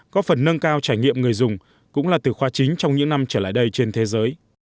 có phần nâng cao trải nghiệm người dùng cũng là từ khoa chính trong những năm trở lại đây trên thế giới